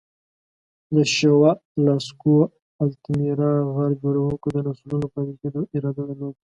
د شووه، لاسکو او التامیرا غار جوړونکو د نسلونو پاتې کېدو اراده درلوده.